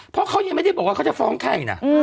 เพราะเขายังไม่ได้บอกว่าเขาจะฟ้องใครนะ